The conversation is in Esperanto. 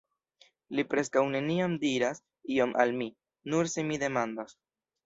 Li preskaŭ neniam diras ion al mi..., nur se mi demandas.